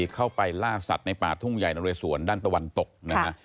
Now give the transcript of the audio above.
เข้าไปล่าสัตว์ในป่าทุ่งใหญ่นเรสวนด้านตะวันตกนะฮะ